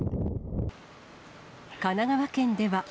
神奈川県では。